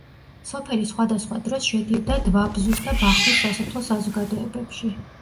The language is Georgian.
სოფელი სხვადასხვა დროს შედიოდა დვაბზუს და ბახვის სასოფლო საზოგადოებებში.